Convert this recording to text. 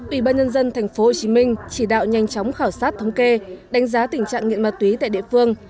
ủy ban nhân dân tp hcm chỉ đạo nhanh chóng khảo sát thống kê đánh giá tình trạng nghiện ma túy tại địa phương